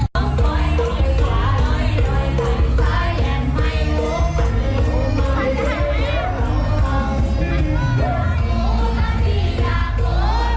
รักสุดเท่นซะนะคะ